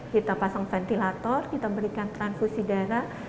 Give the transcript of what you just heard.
kita pasang ventilator kita berikan transfusi darah